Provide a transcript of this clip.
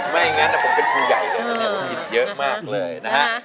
ไม่อย่างนั้นผมเป็นครูใหญ่แล้วผมผิดเยอะมากเลยนะฮะ